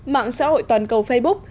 mạng xã hội toàn cầu facebook